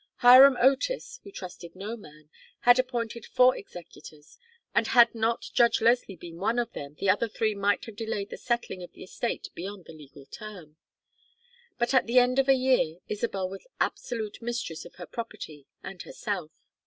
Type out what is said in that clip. Hiram Otis, who trusted no man, had appointed four executors; and had not Judge Leslie been one of them the other three might have delayed the settling of the estate beyond the legal term. But at the end of a year Isabel was absolute mistress of her property and herself.